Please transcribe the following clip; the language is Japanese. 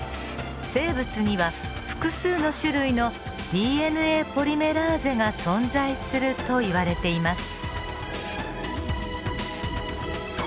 生物には複数の種類のＤＮＡポリメラーゼが存在するといわれています。